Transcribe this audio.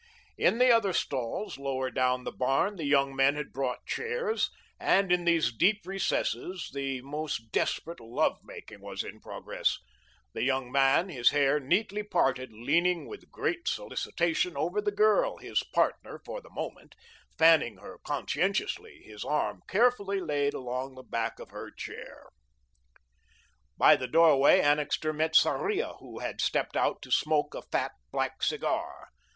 In the other stalls, lower down the barn, the young men had brought chairs, and in these deep recesses the most desperate love making was in progress, the young man, his hair neatly parted, leaning with great solicitation over the girl, his "partner" for the moment, fanning her conscientiously, his arm carefully laid along the back of her chair. By the doorway, Annixter met Sarria, who had stepped out to smoke a fat, black cigar.